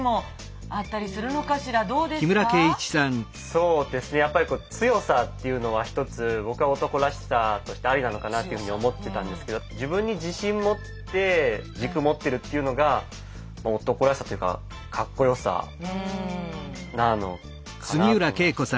そうですねやっぱり強さっていうのは一つ僕は男らしさとしてありなのかなって思ってたんですけど自分に自信持って軸持ってるっていうのが男らしさというかかっこよさなのかなと思いましたけど。